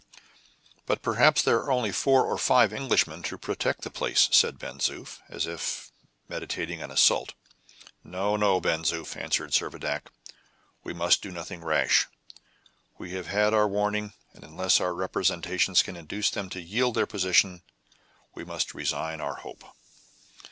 "But perhaps there are only four or five Englishmen to protect the place," said Ben Zoof, as if meditating an assault. "No, no, Ben Zoof," answered Servadac; "we must do nothing rash. We have had our warning, and, unless our representations can induce them to yield their position, we must resign our hope."